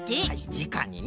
じかにね。